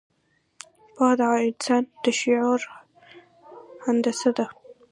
پوهه د انسان د شعور هندسه ده.